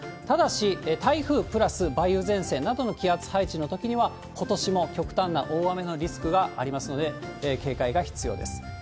ただし、台風プラス梅雨前線などの気圧配置のときには、ことしも極端な大雨のリスクがありますので、警戒が必要です。